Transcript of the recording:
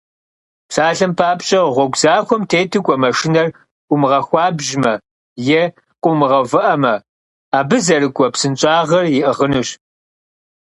Псалъэм папщӏэ, гъуэгу захуэм тету кӏуэ машинэр, умыгъэхуабжьмэ е къыумыгъэувыӏэмэ, абы зэрыкӏуэ псынщӏагъэр иӏыгъынущ.